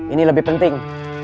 ini lebih penting